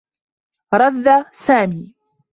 ردّ سامي.